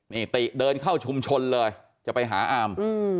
นี่ติเดินเข้าชุมชนเลยจะไปหาอาม